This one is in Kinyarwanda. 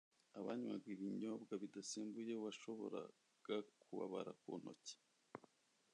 Abanywaga ibinyobwa bidasembuye washoboraga kubabara ku ntoki